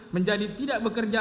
menjadi tidak bekerja